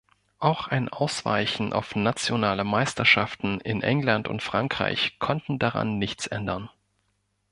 Auch ein Ausweichen auf nationale Meisterschaften in England und Frankreich konnten daran nichts ändern.